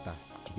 dan diberikan air